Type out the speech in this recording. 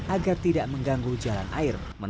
agar tidak mengganggu pengguna jalan